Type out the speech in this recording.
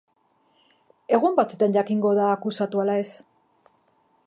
Egun batzuetan jakingo da akusatu ala ez.